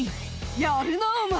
「やるなお前！